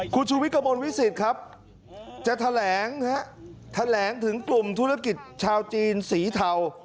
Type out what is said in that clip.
คุณชูวิทย์กระมวลวิสิตครับจะแถลงแถลงถึงกลุ่มธุรกิจชาวจีนสีเทา